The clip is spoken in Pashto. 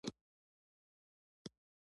افغانان په ډېرو شیانو کې اول دي.